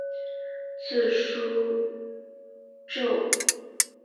字叔胄。